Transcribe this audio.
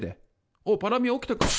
おっパラミ起きたか。